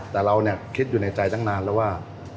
แต่เราคิดอยู่ในใจตั้งนานแล้วว่า